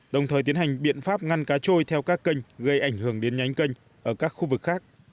đồng thời tiến hành biện pháp ngăn cá trôi theo các kênh gây ảnh hưởng đến nhánh kênh ở các khu vực khác